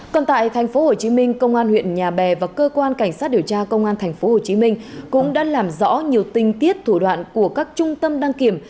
còn tại tp hcm công an huyện nhà bè và cơ quan cảnh sát điều tra công an tp hcm cũng đã làm rõ nhiều tinh tiết thủ đoạn của các trung tâm đăng kiểm